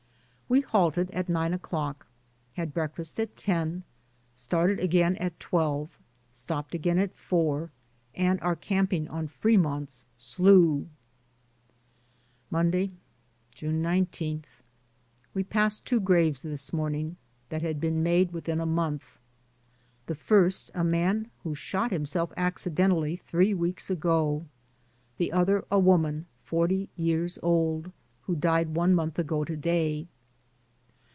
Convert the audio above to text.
We halted at nine o'clock, had breakfast at ten, started again at twelve. Stopped again at four, and are camping on Fremont's Slough. Monday, June 19. We passed two graves this morning that have been made within a month. The first a man who shot himself accidentally three weeks ago. The other a woman, forty years old, who died one month ago to day.